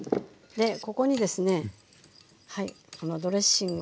ここにですねはいこのドレッシング。